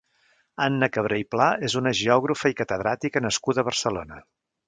Anna Cabré i Pla és una geògrafa i catedràtica nascuda a Barcelona.